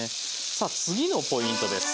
さあ次のポイントです。